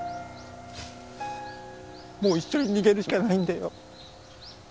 もう一緒に逃げるしかないんだよ。